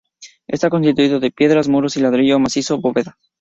Esta construido de piedra, muros y ladrillo macizo, bóveda.